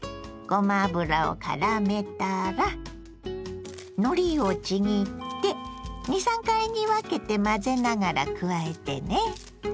ごま油をからめたらのりをちぎって２３回に分けて混ぜながら加えてね。